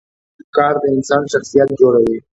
کار د انسان شخصیت جوړوي